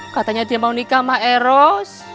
katanya dia mau nikah sama eros